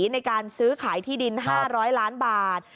ในการซื้อขายที่ดิน๕๐๐ล้านบาท